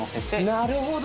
なるほど！